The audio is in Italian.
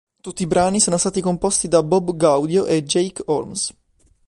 Tutti i brani sono stati composti da Bob Gaudio e Jake Holmes.